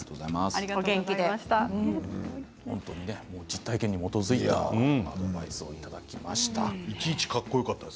実体験に基づいてアドバイスをいただきました。